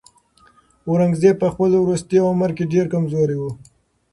اورنګزېب په خپل وروستي عمر کې ډېر کمزوری و.